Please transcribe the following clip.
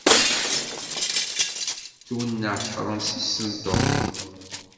Twenneɛ tefransist n Tom.